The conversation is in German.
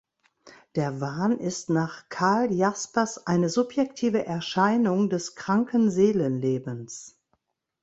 Der Wahn ist nach Karl Jaspers eine „subjektive Erscheinung des kranken Seelenlebens“.